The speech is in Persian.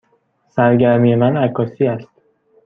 سرگرمی من عکاسی است.